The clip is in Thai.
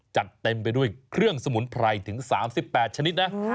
จัดเต็มไปด้วยเครื่องสมุนไพรถึง๓๘ชนิดนะ